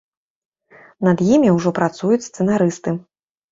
Над імі ўжо працуюць сцэнарысты.